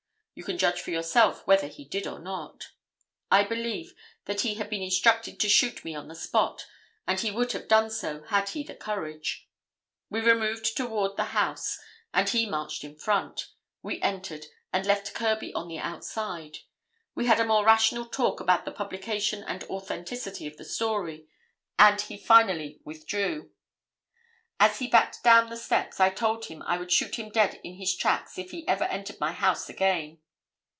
You can judge for yourself whether he did or not. I believe that he had been instructed to shoot me on the spot, and he would have done so had he the courage. We moved toward the house, and he marched in front. We entered, and left Kirby on the outside. We had a more rational talk about the publication and authenticity of the story, and he finally withdrew. As he backed down the steps, I told him I would shoot him dead in his tracks if he ever entered my house again.